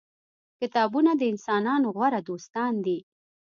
کتابونه د انسانانو غوره دوستان دي.